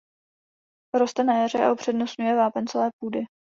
Roste na jaře a upřednostňuje vápencové půdy.